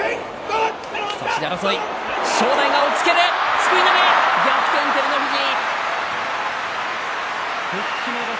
すくい投げ逆転、照ノ富士。